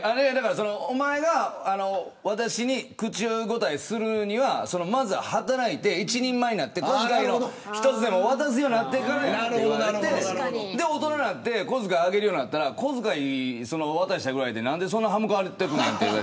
お前が、私に口答えするにはまずは働いて、一人前になってお小遣いの一つでも渡すようになってからって言われてそれで大人になって小遣いあげるようになったら小遣い渡したぐらいで何で、そんな歯向かうんやって。